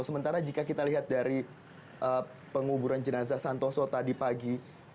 sementara jika kita lihat dari penguburan jenazah santoso tadi pagi